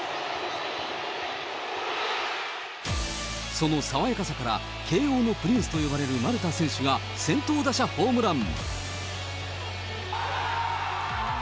その爽やかさから、慶応のプリンスと呼ばれる丸田選手が先頭打者ホームラン。